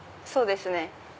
そうですね。